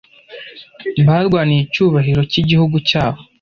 Barwaniye icyubahiro cyigihugu cyabo.